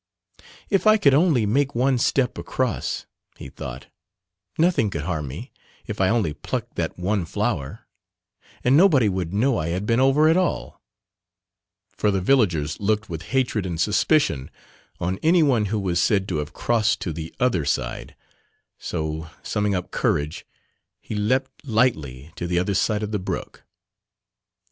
"If I could only make one step across," he thought, "nothing could harm me if I only plucked that one flower, and nobody would know I had been over at all," for the villagers looked with hatred and suspicion on anyone who was said to have crossed to the "other side," so summing up courage he leapt lightly to the other side of the brook.